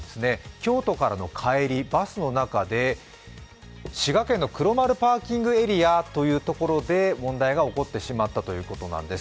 京都からの帰り、バスの中で滋賀県の黒丸パーキングエリアというところで問題が起こってしまったということなんです。